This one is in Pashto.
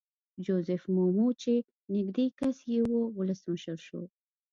جوزیف مومو چې نږدې کس یې وو ولسمشر شو.